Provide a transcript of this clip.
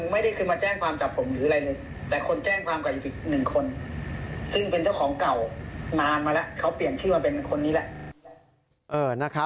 ซึ่งเป็นเจ้าของเก่านานมาแล้วเขาเปลี่ยนชื่อมาเป็นคนนี้แหละ